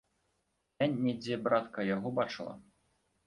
Я недзе, братка, яго бачыла.